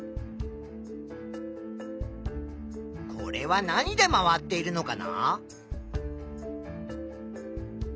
これは何で回っているのかな？